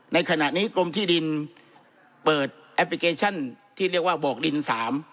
ในขณะนี้กรมที่ดินเปิดแอปพลิเคชันที่เรียกว่าบอกดินสาม